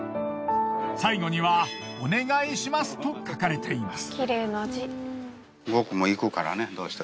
最後には「お願いします」と書かれています。